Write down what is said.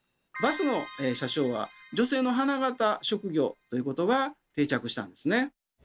「バスの車掌は女性の花形職業」ということが定着したんですね。